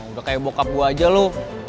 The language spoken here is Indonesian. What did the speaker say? udah kayak bokap gue aja loh